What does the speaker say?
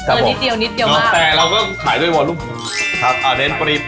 เออนิดเดียวนิดเดียวมากแต่เราก็ขายด้วยอ่ะเล็นปรีบ